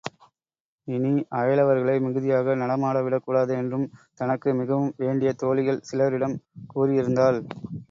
இனி அயலவர்களை மிகுதியாக நடமாட விடக்கூடாது என்றும் தனக்கு மிகவும் வேண்டிய தோழிகள் சிலரிடம் கூறியிருந்தாள்.